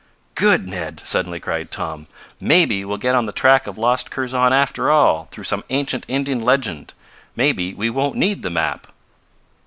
"Good, Ned!" suddenly cried Tom. "Maybe, we'll get on the track of lost Kurzon after all, through some ancient Indian legend. Maybe we won't need the map!"